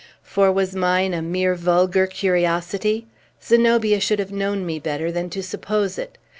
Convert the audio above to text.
For, was mine a mere vulgar curiosity? Zenobia should have known me better than to suppose it.